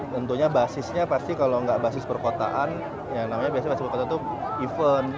tentunya basisnya pasti kalau nggak basis perkotaan ya namanya biasanya basis perkotaan itu event